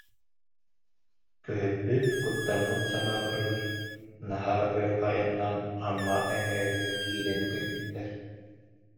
Көһүппүт, куттаммыт санааларыгар, наһаа өр айаннаан Амма эҥээригэр киирэн кэлбиттэр